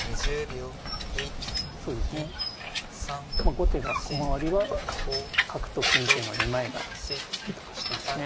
後手が駒割りは角と金桂の二枚替えで得してますね。